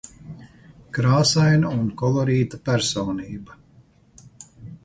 Krāsaina un kolorīta personība.